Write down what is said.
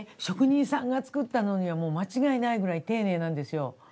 職人さんが作ったのにはもう間違いないぐらい丁寧なんですよ。